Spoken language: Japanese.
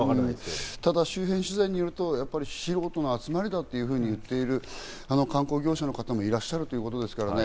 ただ周辺取材によると、素人の集まりだというふうに言っている観光業者の方もいらっしゃるということですからね。